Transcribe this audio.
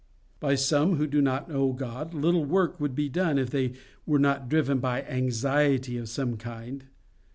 By some who do not know God, little work would be done if they were not driven by anxiety of some kind.